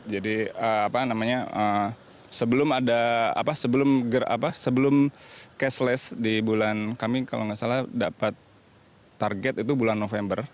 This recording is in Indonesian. jadi sebelum cashless di bulan kami kalau tidak salah dapat target itu bulan november